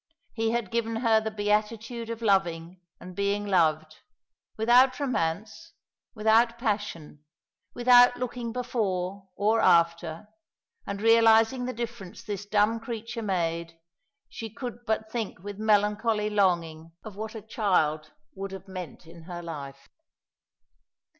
He had given her the beatitude of loving and being loved, without romance without passion without looking before or after: and, realising the difference this dumb creature made, she could but think with melancholy longing of what a child would have meant in her life.